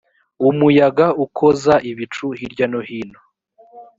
umuyaga ukoza ibicu hirya no hino